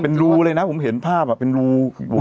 เป็นรูเลยนะผมเห็นภาพเป็นรู